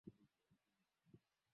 nakushukuru sana mama bridgit